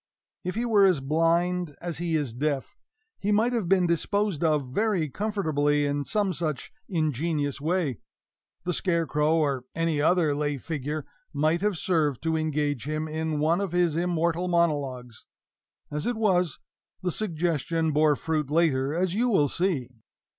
If he were as blind as he is deaf, he might have been disposed of very comfortably in some such ingenious way the scarecrow, or any other lay figure, might have served to engage him in one of his immortal monologues. As it was, the suggestion bore fruit later, as you will see.